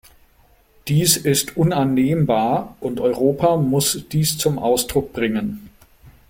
Dies ist unannehmbar, und Europa muss dies zum Ausdruck bringen.